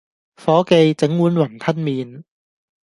伙記，整碗雲吞麵